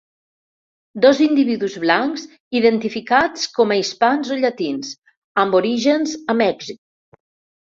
Dos individus blancs identificats com a hispans o llatins, amb orígens a Mèxic.